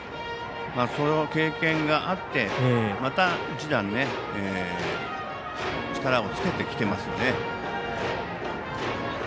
その経験があってまた一段力をつけてきてますよね。